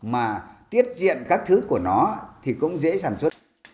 mà tiết diện các thứ của nó thì cũng dễ sản xuất